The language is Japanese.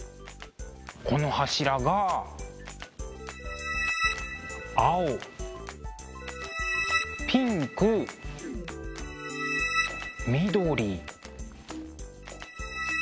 この柱が青ピンク緑赤。